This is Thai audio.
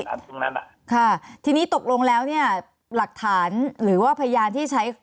ช่วงนั้นอ่ะค่ะทีนี้ตกลงแล้วเนี่ยหลักฐานหรือว่าพยานที่ใช้